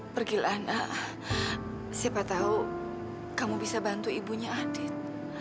pergilah siapa tahu kamu bisa bantu ibunya adit